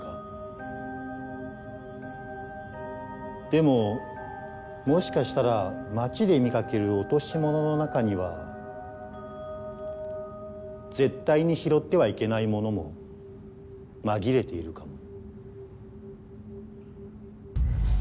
でももしかしたら街で見かける落とし物の中には絶対に拾ってはいけないものも紛れているかも。